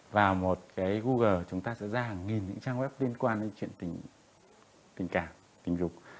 và một cái google chúng ta sẽ ra hàng nghìn những trang web liên quan đến chuyện tình cảm tình dục